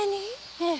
ええ。